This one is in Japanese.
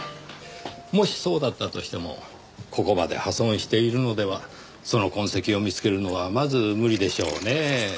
もしそうだったとしてもここまで破損しているのではその痕跡を見つけるのはまず無理でしょうねぇ。